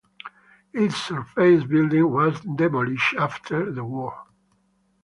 Its surface building was demolished after the war.